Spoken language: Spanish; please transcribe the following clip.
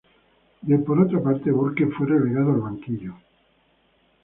Por otra parte, Burke fue relegado al banquillo.